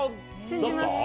信じます。